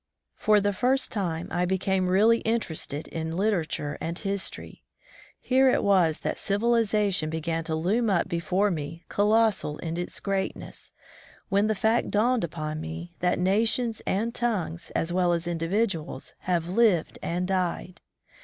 For the first time, I became really interested in literature and history. Here it was that civilization began to loom up be fore me colossal in its greatness, when the fact dawned upon me that nations and tongues, as well as individuals, have lived and died.